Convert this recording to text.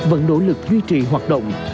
vẫn nỗ lực duy trì hoạt động